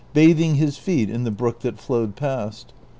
Ixithiug his feet in the brook that flowed past.